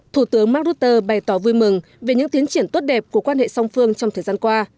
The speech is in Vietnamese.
thủ tướng mark rutte bày tỏ vui mừng về những tiến triển tốt đẹp của quan hệ song phương trong thời gian qua